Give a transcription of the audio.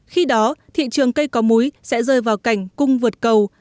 khi đó thị trường cây có múi sẽ rơi vào cảnh cung vượt cầu